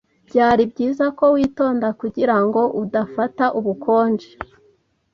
Byari byiza ko witonda kugirango udafata ubukonje.